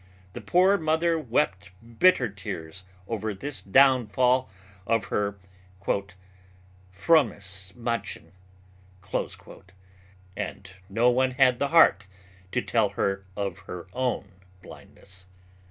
The poor mother wept bitter tears over this downfall of her "frommes Madchen" and no one had the heart to tell her of her own blindness.